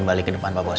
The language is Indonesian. balik ke depan pak bos